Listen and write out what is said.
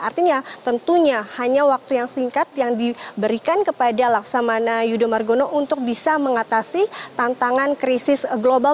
artinya tentunya hanya waktu yang singkat yang diberikan kepada laksamana yudho margono untuk bisa mengatasi tantangan krisis global